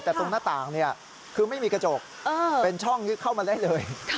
แต่ตรงหน้าต่างคือไม่มีกระจกเป็นช่องยึดเข้ามาได้เลย